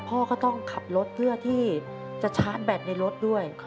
พ่อก็ต้องขับรถเพื่อที่จะชาร์จแบตในรถด้วย